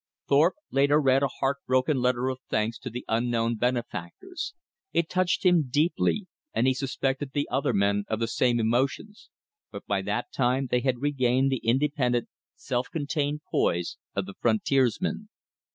Thorpe later read a heart broken letter of thanks to the unknown benefactors. It touched him deeply, and he suspected the other men of the same emotions, but by that time they had regained the independent, self contained poise of the frontiersman.